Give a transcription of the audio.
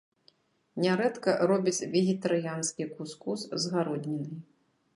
Нярэдка робяць вегетарыянскі кус-кус з гароднінай.